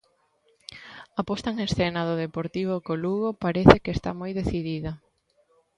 A posta en escena do Deportivo co Lugo parece que está moi decidida.